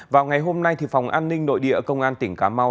vào ngày hôm nay phòng an ninh nội địa công an tỉnh cà mau